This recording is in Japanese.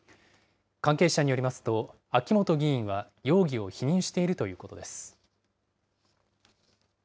関係者によりますと、秋本議員は、容疑を否認しているということです。